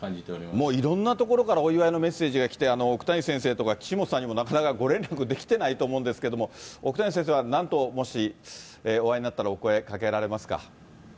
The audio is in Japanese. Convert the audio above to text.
もういろんなところからお祝いのメッセージが来て、奥谷先生とか岸本さんにもなかなかご連絡できてないと思うんですけど、奥谷先生はなんと、もしお会いになったらお声かけられますか。